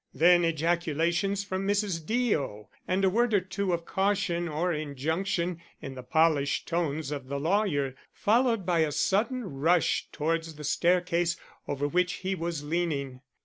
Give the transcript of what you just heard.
Then ejaculations from Mrs. Deo, and a word or two of caution or injunction in the polished tones of the lawyer, followed by a sudden rush towards the staircase, over which he was leaning.